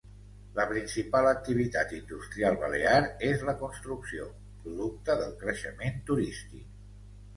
La principal activitat industrial balear és la construcció, producte del creixement turístic.